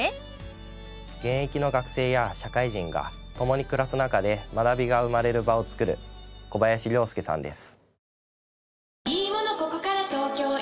現役の学生や社会人が共に暮らす中で学びが生まれる場をつくる小林亮介さんです。